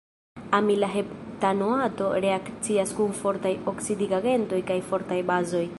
Amila heptanoato reakcias kun fortaj oksidigagentoj kaj fortaj bazoj.